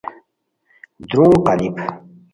درونگ قالیپ